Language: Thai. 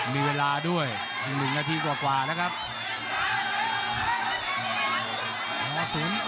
มีเวลาด้วย๑นาทีกว่าแล้วครับ